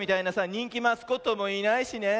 にんきマスコットもいないしね。